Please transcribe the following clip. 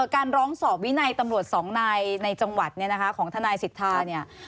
การร้องสอบวินัยตำรวจสองนายในจังหวัดของท่านท่านสิทธา